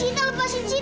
sita lepasin sita